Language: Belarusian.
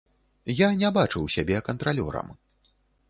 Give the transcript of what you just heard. Я не бачыў сябе кантралёрам.